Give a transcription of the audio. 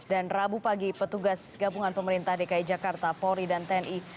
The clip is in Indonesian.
dan rabu pagi petugas gabungan pemerintah dki jakarta polri dan tni